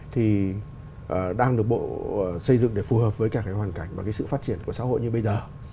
thì đang được bộ xây dựng để phù hợp với cả cái hoàn cảnh và cái sự phát triển của xã hội như bây giờ